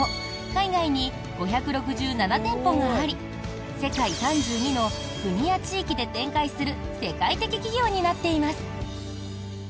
海外に５６７店舗があり世界３２の国や地域で展開する世界的企業になっています。